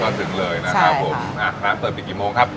ร้านเปิดปีกี่โมงค่ะ